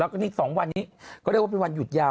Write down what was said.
แล้วก็นี่๒วันนี้ก็เรียกว่าเป็นวันหยุดยาว